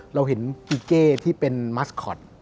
เราเห็นกิเก้ที่เป็นมัสคอต